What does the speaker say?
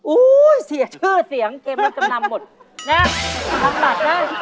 อู้วเสียชื่อเสียงเกมรถกำลังหมดนะสมบัตินะ